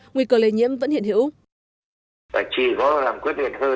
nguy cơ lây nhiễm vẫn hiện hữu